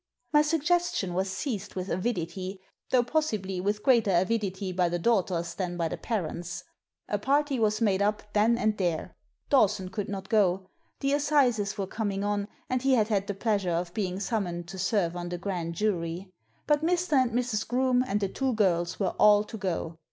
My suggestion was seized with avidity, though possibly with greater avidity by the daughters than by the parents. A party was made up then and there. Dawson could not go. The assizes were coming on, and he had had the pleasure of being summoned to serve on the grand jury. But Mr. and Mrs. Groome and the two girls were all to go.